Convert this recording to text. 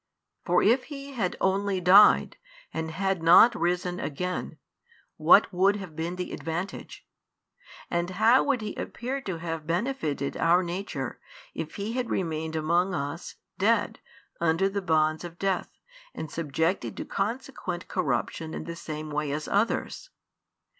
For if He had only died, and had not risen again, what would have been the advantage? And how would He appear to have benefitted our nature, if He had remained amongst us, dead, under the bonds of death, and subjected to consequent corruption in the same way as others?